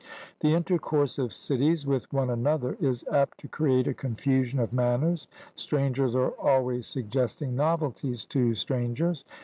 The intercourse of cities with one another is apt to create a confusion of manners; strangers are always suggesting novelties to strangers.